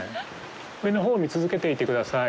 上のほう見続けていてください。